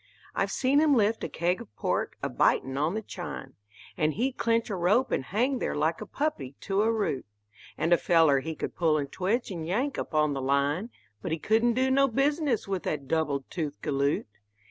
I've seen him lift a keg of pork, a bitin' on the chine, And he'd clench a rope and hang there like a puppy to a root; And a feller he could pull and twitch and yank up on the line, But he couldn't do no business with that double toothed galoot.